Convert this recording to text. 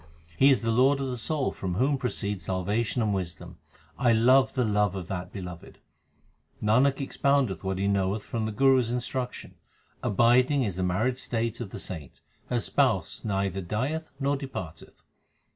He is the Lord of the soul from whom proceed salvation and wisdom ; I love the love of that Beloved. Nanak expoundeth what he knoweth from the Guru s instruction ; abiding is the married state of the saint ; her Spouse neither dieth nor departeth.